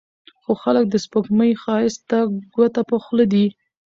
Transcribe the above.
خو خلک د سپوږمۍ ښايست ته ګوته په خوله دي